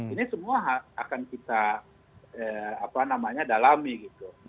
ini semua akan kita apa namanya dalami gitu